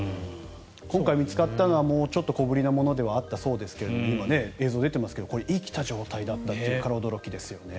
今回見つかったのはもうちょっと小ぶりなものであったそうですが映像に出てましたが生きた状態だったのが驚きですよね。